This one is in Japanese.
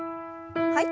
はい。